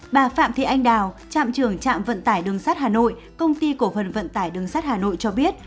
bà phạm thị anh đào trạm trưởng trạm vận tải đường sắt hà nội công ty cổ phần vận tải đường sắt hà nội cho biết